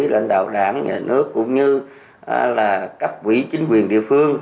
lãnh đạo đảng nhà nước cũng như là cấp quỹ chính quyền địa phương